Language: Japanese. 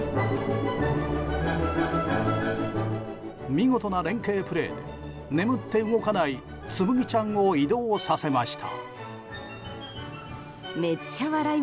見事な連係プレーで眠って動かないつむぎちゃんを移動させました。